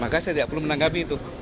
maka saya tidak perlu menanggapi itu